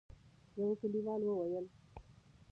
يوه کليوال وويل: